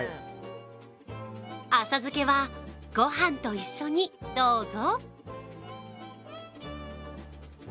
浅漬けはごはんと一緒にどうぞ。